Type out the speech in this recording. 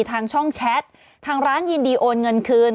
ทางช่องแชททางร้านยินดีโอนเงินคืน